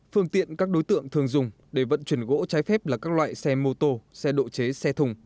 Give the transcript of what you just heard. phương tiện các đối tượng thường dùng để vận chuyển gỗ trái phép là các loại xe mô tô xe độ chế xe thùng